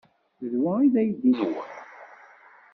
D wa ay d aydi-nwen?